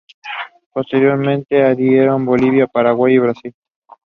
The bishop was also known for his taste in art.